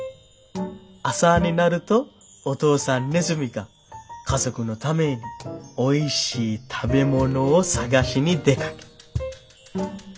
朝になるとお父さんネズミが家族のためにおいしい食べ物を探しに出かけ」。